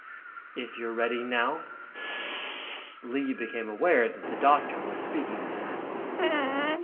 "... If you're ready now." Lee became aware the doctor was speaking to him.